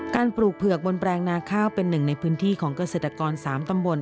ปลูกเผือกบนแปลงนาข้าวเป็นหนึ่งในพื้นที่ของเกษตรกร๓ตำบล